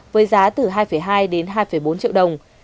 với giá từ hai hai đến hai bốn triệu đồng